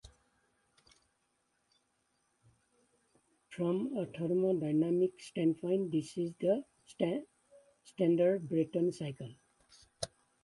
From a thermodynamic standpoint, this is the standard Brayton cycle.